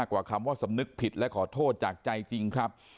ว่าสำนึกผิดและขอโทษจากใจจริงครับ